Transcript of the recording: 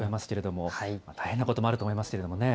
大変なこともあると思いますけどもね。